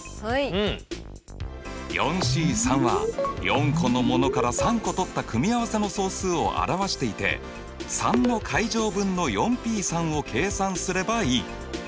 Ｃは４個のものから３個とった組合せの総数を表していて３の階乗分のＰを計算すればいい。